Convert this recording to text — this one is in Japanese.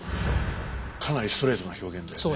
かなりストレートな表現だよね。